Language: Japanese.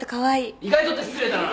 意外とって失礼だな。